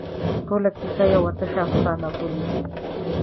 ټوله کیسه یوه تشه افسانه بولي.